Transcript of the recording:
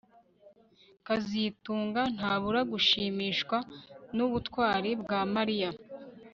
kazitunga ntabura gushimishwa nubutwari bwa Mariya